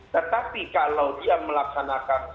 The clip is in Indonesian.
tetapi kalau dia melaksanakan